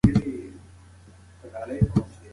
کله چې ته وایې هغوی اوري.